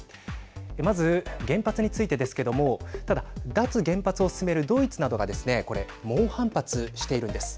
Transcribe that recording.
まず、原発についてですけどもただ、脱原発を進めるドイツなどがですね猛反発しているんです。